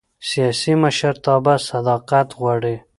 سیاسي مشرتابه صداقت غواړي